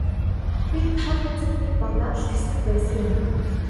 Би Том эзэнтнийг бодоод л тэсдэг байсан юм.